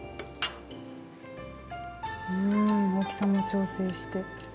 うん大きさも調整して。